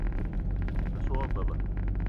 Me so wa beba